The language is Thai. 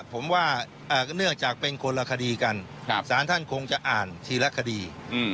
ผมว่าเนื่องจากเป็นคนละคดีกันสารท่านคงจะอ่านทีละคดี